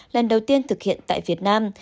lần đầu tiên thực hiện tại việt nam